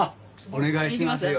お願いしますよ！